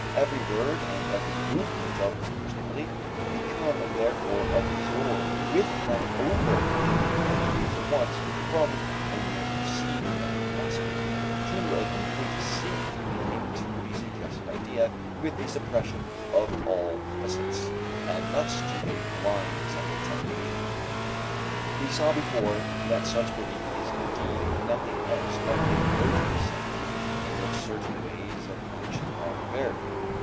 Every word and every movement of this personality become therefore absorbed with that over attention which leads at once from a mere perceiving and grasping to a complete sinking into the suggested idea with the suppression of all opposites, and thus to a blind acceptance and belief. We saw before that such belief is indeed nothing else but a motor setting in which certain ways of action are prepared.